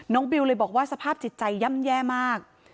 บิวเลยบอกว่าสภาพจิตใจย่ำแย่มาก